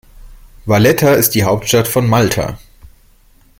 Valletta ist die Hauptstadt von Malta.